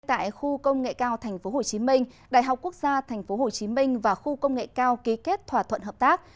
tại khu công nghệ cao tp hcm đại học quốc gia tp hcm và khu công nghệ cao ký kết thỏa thuận hợp tác